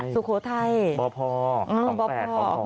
สุโขทัยบ่อพ่อของแปดของของ